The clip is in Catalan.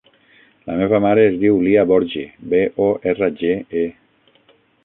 La meva mare es diu Lya Borge: be, o, erra, ge, e.